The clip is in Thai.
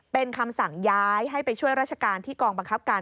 เป็นคำสั่งย้ายให้ไปช่วยราชการที่กองบังคับการ